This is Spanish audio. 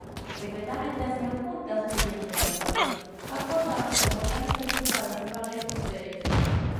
Secretamente hacían "juntas" mediante las cuales acordaban como organizarse para hacer valer sus derechos.